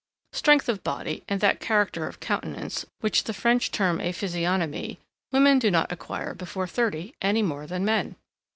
Strength of body, and that character of countenance, which the French term a physionomie, women do not acquire before thirty, any more than men.